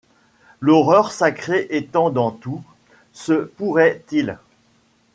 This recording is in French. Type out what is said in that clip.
L’horreur sacrée étant dans tout, se pourrait-il